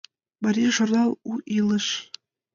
МАРИЙ ЖУРНАЛ «У ИЛЫШ»